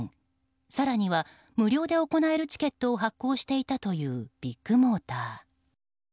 更には無料で行えるチケットを発行していたというビッグモーター。